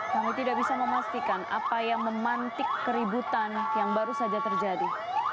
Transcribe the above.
kami tidak bisa memastikan apa yang memantik keributan yang baru saja terjadi